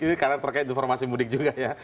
ini karena terkait informasi mudik juga ya